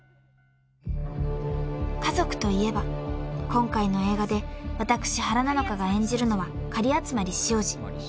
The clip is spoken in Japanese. ［家族といえば今回の映画で私原菜乃華が演じるのは狩集汐路］